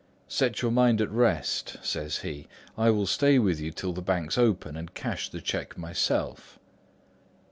'Set your mind at rest,' says he, 'I will stay with you till the banks open and cash the cheque myself.